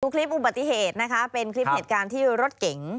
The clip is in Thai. คลิปอุบัติเหตุนะคะเป็นคลิปเหตุการณ์ที่รถเก๋ง